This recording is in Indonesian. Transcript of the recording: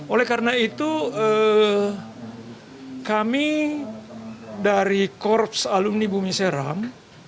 oleh karena itu kami dari korps alumni bumi seram